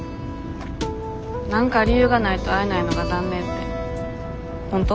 何か理由がないと会えないのが残念って本当？